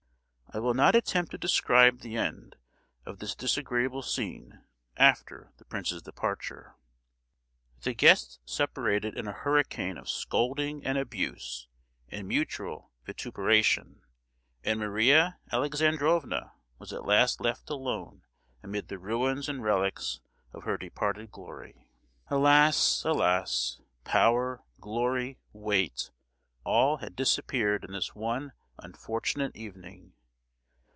I will not attempt to describe the end of this disagreeable scene, after the prince's departure. The guests separated in a hurricane of scolding and abuse and mutual vituperation, and Maria Alexandrovna was at last left alone amid the ruins and relics of her departed glory. Alas, alas! Power, glory, weight—all had disappeared in this one unfortunate evening.